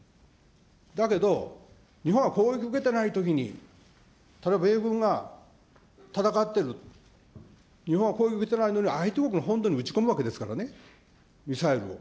だけど、日本は攻撃受けてないときに、例えば米軍が戦ってる、日本は攻撃受けてないのに、相手国の本土に撃ち込むわけですからね、ミサイルを。